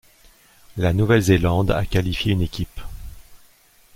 La Nouvelle-Zélande a qualifié une équipe.